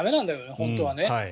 本当はね。